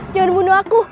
jangan bunuh aku